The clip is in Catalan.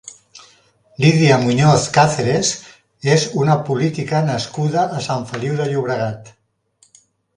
Lídia Muñoz Cáceres és una política nascuda a Sant Feliu de Llobregat.